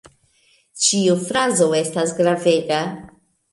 Ĉiu frazo estas gravega.